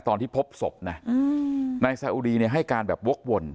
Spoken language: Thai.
ตอนที่พบศพนะนายสาอุดีเนี่ยให้การแบบวกวน